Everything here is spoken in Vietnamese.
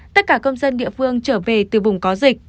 tất cả công dân địa phương trở về từ vùng có dịch